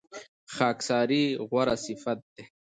خاکساري غوره صفت دی.